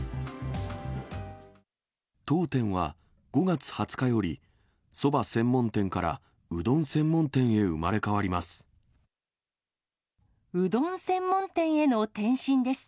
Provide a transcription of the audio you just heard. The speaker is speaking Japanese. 当店は５月２０日より、そば専門店からうどん専門店へ生まれ変わります。